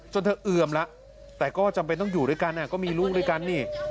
เธอเอือมแล้วแต่ก็จำเป็นต้องอยู่ด้วยกันก็มีลูกด้วยกันนี่